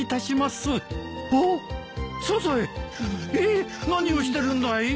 えっ何をしてるんだい？